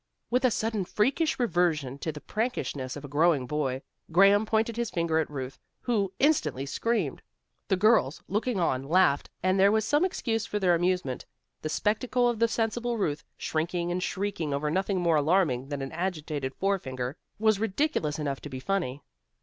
With a sudden freakish reversion to the prankishness of a growing boy, Graham pointed his finger at Ruth, who instantly screamed. The girls looking on, laughed, and there was some excuse for their amusement. The spectacle of the sensible Ruth, shrinking and shrieking over nothing more alarming than an agitated forefinger, was ridiculous enough to be funny.